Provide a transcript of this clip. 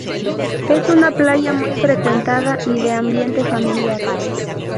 Es una playa muy frecuentada y de ambiente familiar.